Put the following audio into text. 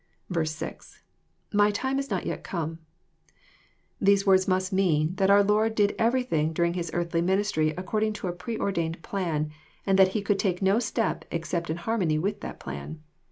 6.~[Jf2^ time is not yet come,'} These words must mean, that our Lord did everything daring His earthly ministry according to a preordained plan, and that he could take no step except in har mony with that plan.